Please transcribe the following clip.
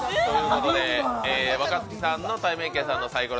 若槻さんのたいめいけんさんのサイコロ